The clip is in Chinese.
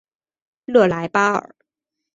热莱巴尔。